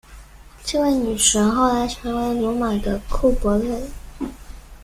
这位女神后来成为罗马的库柏勒。